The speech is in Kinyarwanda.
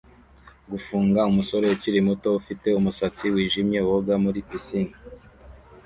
Gufunga umusore ukiri muto ufite umusatsi wijimye woga muri pisine